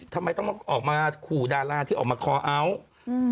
ทำไมต้องมาออกมาขู่ดาราที่ออกมาคอเอาท์อืม